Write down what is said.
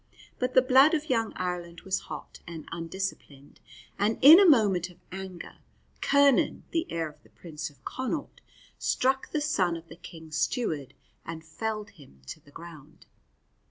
But the blood of young Ireland was hot and undisciplined, and in a moment of anger, Curnan, the heir of the Prince of Connaught, struck the son of the King's steward and felled him to the ground.